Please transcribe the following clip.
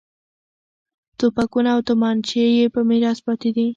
توپکونه او تومانچې یې په میراث پاتې دي.